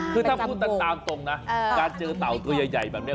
คือถ้าพูดกันตามตรงนะการเจอเต่าตัวใหญ่แบบนี้